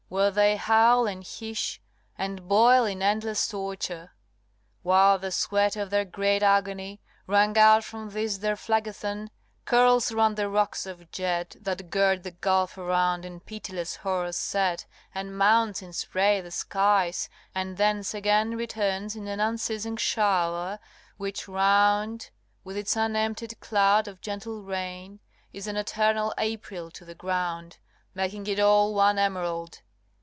where they howl and hiss, And boil in endless torture; while the sweat Of their great agony, wrung out from this Their Phlegethon, curls round the rocks of jet That gird the gulf around, in pitiless horror set, LXX. And mounts in spray the skies, and thence again Returns in an unceasing shower, which round, With its unemptied cloud of gentle rain, Is an eternal April to the ground, Making it all one emerald.